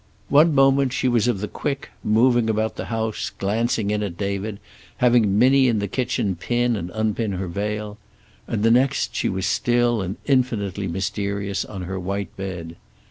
One moment she was of the quick, moving about the house, glancing in at David, having Minnie in the kitchen pin and unpin her veil; and the next she was still and infinitely mysterious, on her white bed.